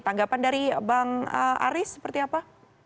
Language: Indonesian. tanggapan dari bang aris seperti apa